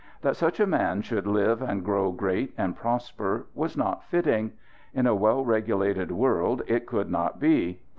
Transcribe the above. That such a man should live and grow great and prosper was not fitting; in a well regulated world it could not be.